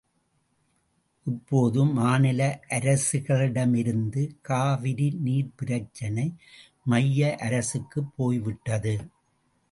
இப்போது மாநில அரசுகளிடமிருந்து காவிரி நீர்ப்பிரச்சனை மைய அரசுக்குப் போய்விட்டது.